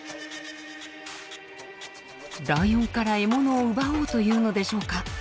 ライオンから獲物を奪おうというのでしょうか？